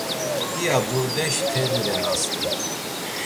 İya burdeş teği ren asti.